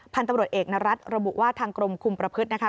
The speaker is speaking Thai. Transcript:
พันธุ์ตำรวจเอกนรัฐระบุว่าทางกรมคุมประพฤตินะคะ